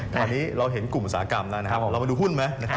ตอนนี้เราเห็นกลุ่มสากรรมล่ะเรามาดูหุ้นไหม